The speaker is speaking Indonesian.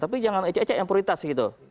tapi jangan ecek ecek yang prioritas gitu